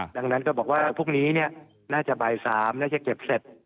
ดังนั้นก็บอกว่าพรุ่งนี้น่าจะบ่าย๓น่าจะเก็บเสร็จ